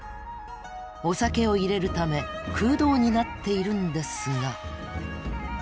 お酒を入れるため空洞になっているんですが。